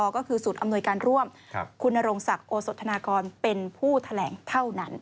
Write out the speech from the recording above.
ก็คือศูนย์อำนวยการร่วมคุณนรงศักดิ์โอสธนากรเป็นผู้แถลงเท่านั้น